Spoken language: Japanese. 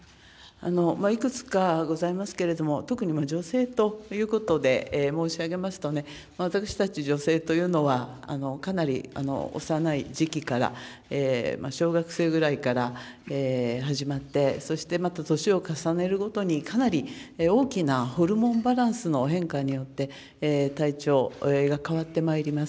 いくつかございますけれども、特に女性ということで申し上げますとね、私たち女性というのは、かなり幼い時期から、小学生ぐらいから始まって、そしてまた年を重ねるごとに、かなり大きなホルモンバランスの変化によって、体調が変わってまいります。